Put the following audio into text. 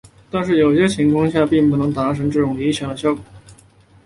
但是在有些情况上并不能总是达到这种理想的效果。